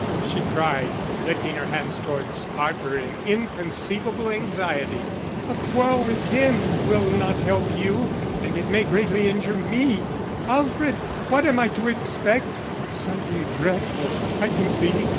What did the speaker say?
she cried, lifting her hands towards Harper in inconceivable anxiety. "A quarrel with him will not help you and it may greatly injure me. Alfred, what am I to expect? Something dreadful, I can see.